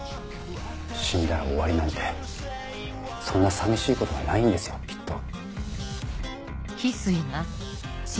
死んだら終わりなんてそんな寂しいことはないんですよきっと。